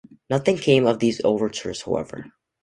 Nothing came of these overtures however.